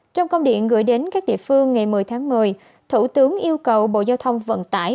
trong công điện gửi đến các địa phương ngày một mươi tháng một mươi thủ tướng yêu cầu bộ giao thông vận tải